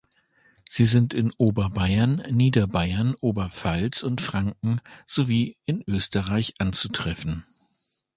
Sie sind in Oberbayern, Niederbayern, Oberpfalz und Franken sowie in Österreich anzutreffen.